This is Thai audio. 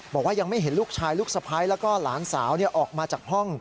บอกว่ายังไม่เห็นลูกชายลูกสะพ้ายแล้วก็หลานสาวออกมาจากห้อง